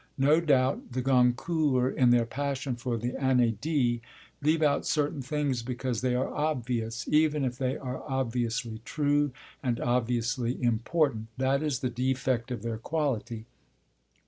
No doubt the Goncourts, in their passion for the inédit, leave out certain things because they are obvious, even if they are obviously true and obviously important; that is the defect of their quality.